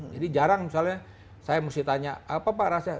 jarang misalnya saya mesti tanya apa pak rasanya